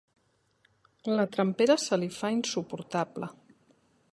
La trempera se li fa insuportable.